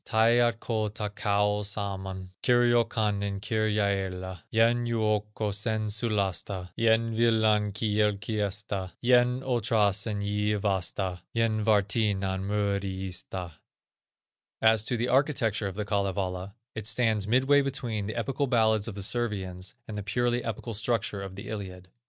Taiatko takoa sammon, Kirjokannen kirjaëlla, Yhen joukkosen sulasta, Yhen willan kylkyesta, Yhen otrasen jywasta, Yhen warttinan muruista." As to the architecture of the Kalevala, it stands midway between the epical ballads of the Servians and the purely epical structure of the Iliad.